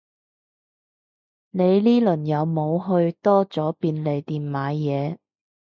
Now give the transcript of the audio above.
你呢輪有冇去多咗便利店買嘢